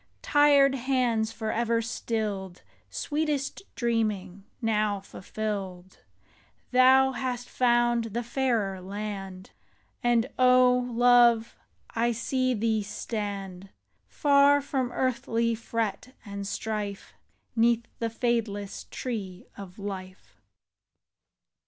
Tired hands forever stilled. Sweetest dreaming now fulfilled ! Thou hast found the fairer land, And, O love, I see thee stand. Far from earthly fret and strife, 'Neath the fadeless Tree of Life.